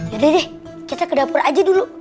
deh kita ke dapur aja dulu